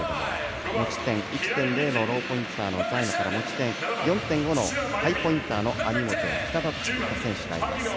持ち点１．０のローポインターの財満から持ち点４．５のハイポインターの網本、北田という選手がいます。